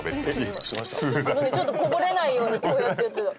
あとねこぼれないようにこうやってやってた。